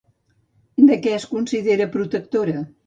De què es considerava protectora?